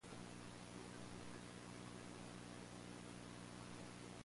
It would thereby represent a Lazarus taxon.